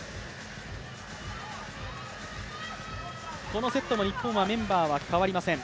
このセットも日本はメンバーは変わりません。